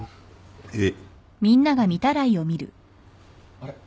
あれ？